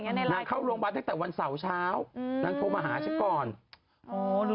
นางเข้าโรงพยาบาลตั้งแต่วันเสาร์เช้าอืมนางโทรมาหาฉันก่อนอ๋อรู้